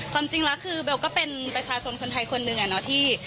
ความจริงแล้วคือเบลก็เป็นประชาชนคนไทยคนหนึ่งอะเนาะที่